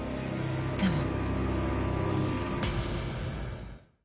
でも。